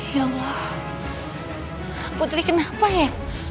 ya wah putri kenapa ya